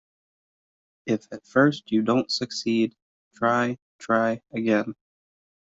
If at first you don't succeed, try, try again.